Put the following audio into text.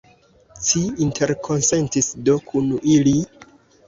Ci interkonsentis do kun ili?